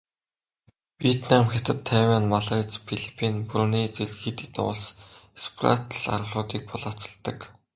Вьетнам, Хятад, Тайвань, Малайз, Филиппин, Бруней зэрэг хэд хэдэн улс Спратл арлуудыг булаацалддаг.